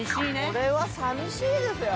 これはさみしいですよ。